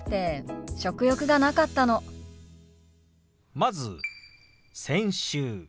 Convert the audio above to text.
まず「先週」。